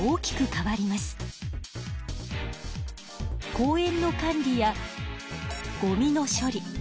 公園の管理やゴミの処理